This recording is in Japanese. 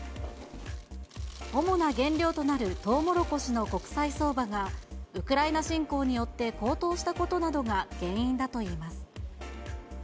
主な原料となるとうもろこしの国際相場が、ウクライナ侵攻によって高騰したことなどが原因だといいます。